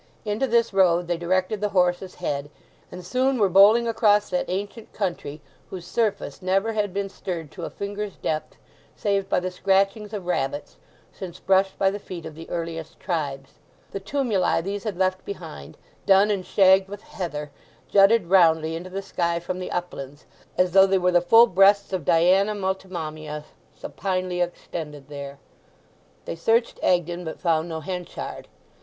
Into this road they directed the horse's head, and soon were bowling across that ancient country whose surface never had been stirred to a finger's depth, save by the scratchings of rabbits, since brushed by the feet of the earliest tribes. The tumuli these had left behind, dun and shagged with heather, jutted roundly into the sky from the uplands, as though they were the full breasts of Diana Multimammia supinely extended there. They searched Egdon, but found no Henchard.